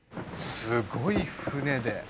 すごい船で。